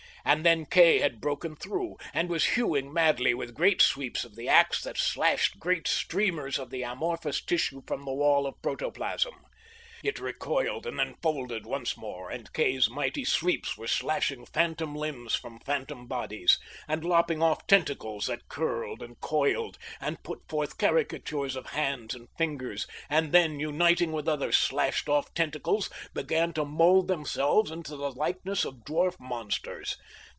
And then Kay had broken through, and was hewing madly with great sweeps of the ax that slashed great streamers of the amorphous tissue from the wall of protoplasm. It recoiled and then folded once more, and Kay's mighty sweeps were slashing phantom limbs from phantom bodies; and lopping off tentacles that curled and coiled, and put forth caricatures of hands and fingers, and then, uniting with other slashed off tentacles, began to mould themselves into the likeness of dwarf monsters.